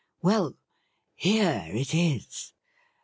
' Well, here it is.